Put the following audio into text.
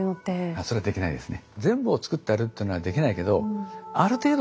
それはできないですね。